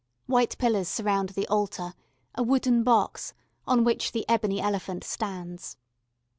White pillars surround the altar a wooden box on which the ebony elephant stands.